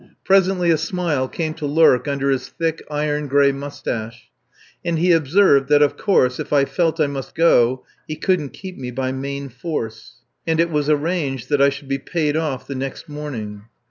Presently a smile came to lurk under his thick iron gray moustache, and he observed that, of course, if I felt I must go he couldn't keep me by main force. And it was arranged that I should be paid off the next morning.